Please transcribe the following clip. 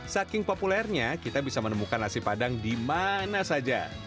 saking populernya kita bisa menemukan nasi padang di mana saja